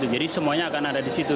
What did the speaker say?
jadi semuanya akan ada di situ